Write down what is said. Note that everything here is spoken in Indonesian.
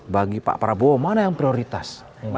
bagi pak prabowo mana yang prioritas